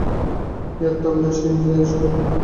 এই আত্মা অবিনাশী, তিনি স্বরূপত নিত্য।